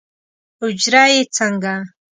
اوجره یې څنګه؟